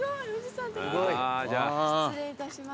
失礼いたします。